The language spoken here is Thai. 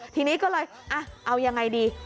ทีนี้ก็เลยเอายังไงดี